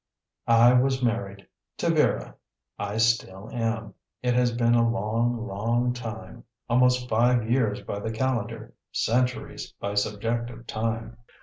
I was married. To Vera. I still am. It has been a long, long time. Almost five years by the calendar, centuries by subjective time.